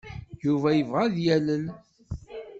Yuba yebɣa ad yalel.